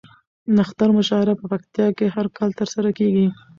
نښتر مشاعره په پکتيا کې هر کال ترسره کیږي